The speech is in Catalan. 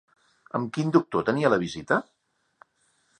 Amb quin doctor tenia la visita?